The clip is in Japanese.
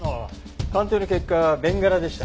鑑定の結果ベンガラでした。